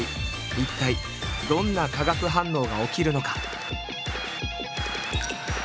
一体どんな化学反応が起きるのか？